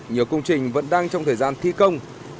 nhiều công trình vẫn đang trong thời gian thi công